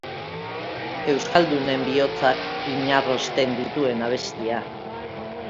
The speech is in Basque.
Euskaldunen bihotzak inarrosten dituen abestia.